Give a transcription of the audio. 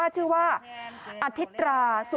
เจอเขาแล้ว